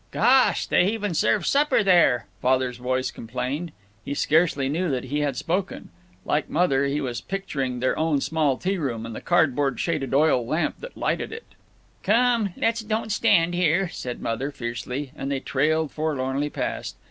"Gosh! they even serve supper there!" Father's voice complained. He scarcely knew that he had spoken. Like Mother, he was picturing their own small tea room and the cardboard shaded oil lamp that lighted it. "Come, don't let's stand here," said Mother, fiercely, and they trailed forlornly past.